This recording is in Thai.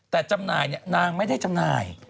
แต่จำหน่ายนางไม่ได้จำหน่าย